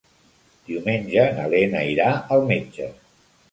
Diumenge na Lena irà al metge.